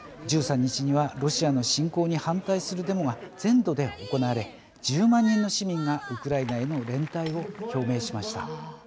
１３日にはロシアの侵攻に反対するデモが全土で行われ、１０万人の市民がウクライナへの連帯を表明しました。